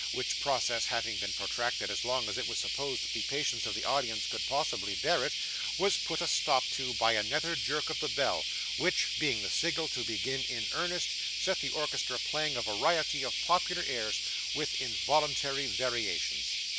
Which process having been protracted as long as it was supposed that the patience of the audience could possibly bear it, was put a stop to by another jerk of the bell, which, being the signal to begin in earnest, set the orchestra playing a variety of popular airs, with involuntary variations.